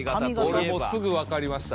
俺もうすぐわかりました。